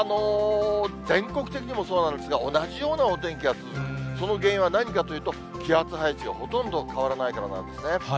全国的にもそうなんですが、同じようなお天気が続く、その原因は何かというと、気圧配置がほとんど変わらないからなんですね。